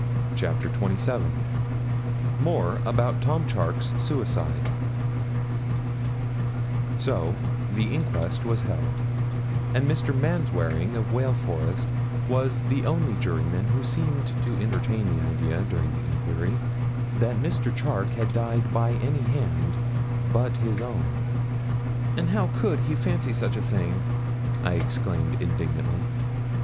CHAPTER XXVII MORE ABOUT TOM CHARKE'S SUICIDE So the inquest was held, and Mr. Manwaring, of Wail Forest, was the only juryman who seemed to entertain the idea during the inquiry that Mr. Charke had died by any hand but his own. 'And how could he fancy such a thing?' I exclaimed indignantly.